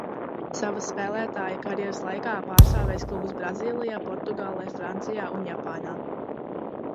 Savas spēlētāja karjeras laikā pārstāvējis klubus Brazīlijā, Portugālē, Francijā un Japānā.